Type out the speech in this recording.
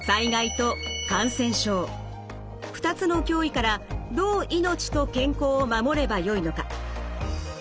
２つの脅威からどう命と健康を守ればよいのか。